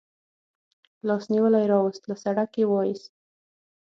لاس نیولی راوست، له سړک یې و ایست.